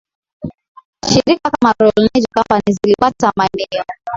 shirika kama Royal Niger Company zilipata maeneo